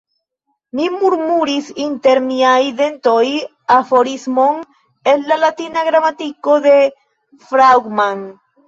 Mi murmuris inter miaj dentoj aforismon el la latina gramatiko de Fraugman.